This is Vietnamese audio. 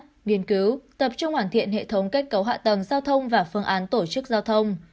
nghiên cứu tập trung hoàn thiện hệ thống kết cấu hạ tầng giao thông và phương án tổ chức giao thông